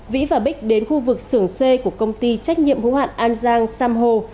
vĩ và bích đến khu vực xưởng xê của công ty trách nhiệm hữu hạn an giang sam ho